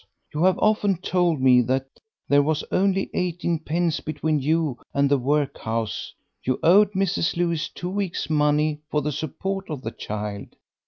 You have often told me there was only eighteen pence between you and the workhouse; you owed Mrs. Lewis two weeks' money for the support of the child.